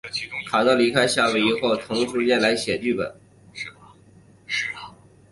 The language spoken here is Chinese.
卡特离开夏威夷后开始腾时间来写剧本。